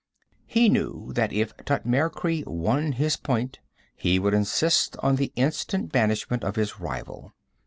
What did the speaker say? He knew that if Thutmekri won his point, he would insist on the instant banishment of his rival.